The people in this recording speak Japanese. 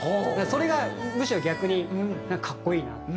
それがむしろ逆になんか格好いいなって。